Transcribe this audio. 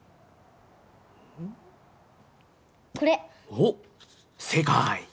おっ正解！